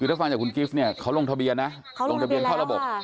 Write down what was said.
คือถ้าฟังจากคุณกิฟต์เขาลงทะเบียนเข้าระบบ